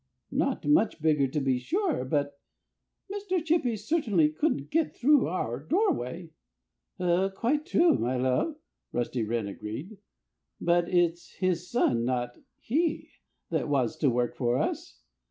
Not much bigger, to be sure. But Mr. Chippy certainly couldn't get through our doorway." "Quite true, my love!" Rusty Wren agreed. "But it's his son not he that wants to work for us.